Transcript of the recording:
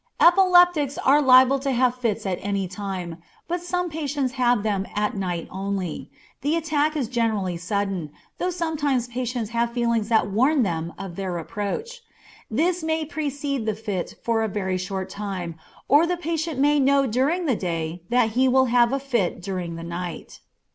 Epileptics are liable to have fits at any time, but some patients have them at night only. The attack is generally sudden, though sometimes patients have feelings that warn them of their approach. This may precede the fit for a very short time, or the patient may know during the day that he will have a fit during the night.